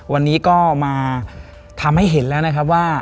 วันนี้ก็มาทำให้เห็นแล้วนะครับว่า